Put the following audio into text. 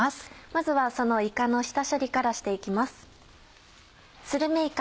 まずはそのいかの下処理からして行きます。